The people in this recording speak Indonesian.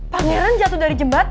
pangeran jatuh dari jembatan